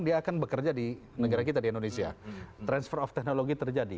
tidak ada yang mengangkat